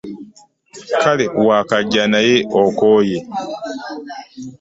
Kale waakajja naye okooye!